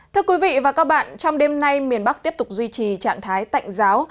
thưa quý vị và các bạn trong đêm nay miền bắc tiếp tục duy trì trạng thái tạnh giáo